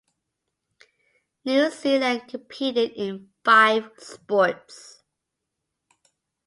New Zealand competed in five sports.